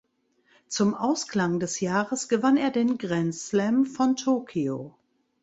Zum Ausklang des Jahres gewann er den Grand Slam von Tokio.